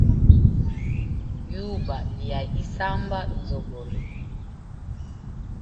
Yuba lya isamba nzogolo.